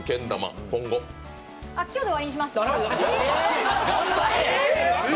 今日で終わりにします。